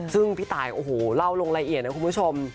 ซึ่งพี่ตายโอ้โหเล่าลงละเอียดนะคุณผู้ชม